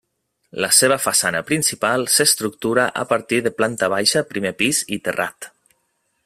La seva façana principal s'estructura a partir de planta baixa, primer pis i terrat.